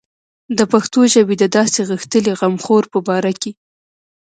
د پښتو ژبې د داسې غښتلي غمخور په باره کې.